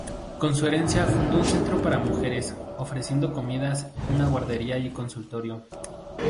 Con su herencia fundó un centro para mujeres, ofreciendo comidas, una guardería y consultorio.